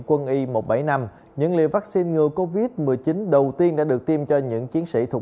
quân y một trăm bảy mươi năm những liều vaccine ngừa covid một mươi chín đầu tiên đã được tiêm cho những chiến sĩ thuộc